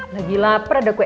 lagi lapar ada kue